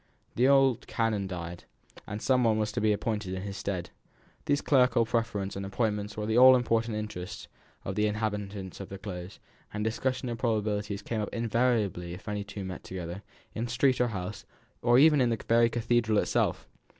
The old canon died, and some one was to be appointed in his stead. These clerical preferments and appointments were the all important interests to the inhabitants of the Close, and the discussion of probabilities came up invariably if any two met together, in street or house, or even in the very cathedral itself.